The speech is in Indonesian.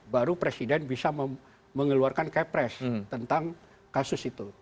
baru presiden bisa mengeluarkan kepres tentang kasus itu